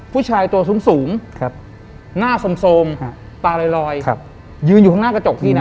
ผู้ชายตัวสูงหน้าสมตาลอยยืนอยู่ข้างหน้ากระจกพี่นะ